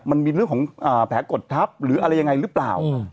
มันมีเรื่องของแผลกดทับหรืออะไรยังไงหรือเปล่า